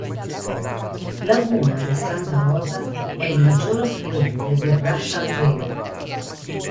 Laguna de Santa Rosa è il maggior affluente del Russian River.